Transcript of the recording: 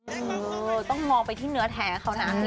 เออต้องมองไปที่เนื้อแท้เขานะ